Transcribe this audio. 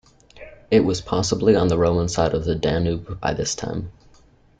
It was possibly on the Roman side of the Danube by this time.